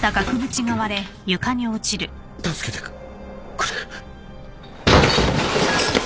助けてくれ。